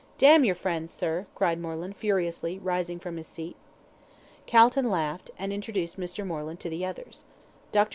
"D your friends, sir!" cried Moreland, furiously, rising from his seat. Calton laughed, and introduced Mr. Moreland to the others. "Dr.